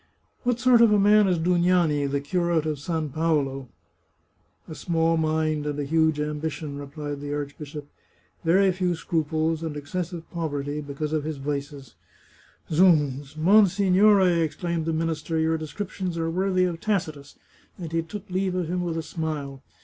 " What sort of a man is Dug^ani, the curate of San Paolo?" 306 The Chartreuse of Parma " A small mind and a huge ambition," replied the arch bishop ;" very few scruples, and excessive poverty, because of his vices." " Zounds ! Monsignore," exclaimed the minister, " your descriptions are worthy of Tacitus," and he took leave of him with a smile.